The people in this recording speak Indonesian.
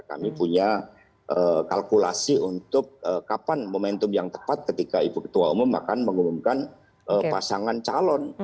kami punya kalkulasi untuk kapan momentum yang tepat ketika ibu ketua umum akan mengumumkan pasangan calon